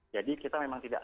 jadi kita memang tidak